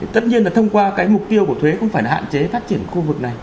tất nhiên là thông qua cái mục tiêu của thuế cũng phải là hạn chế phát triển khu vực này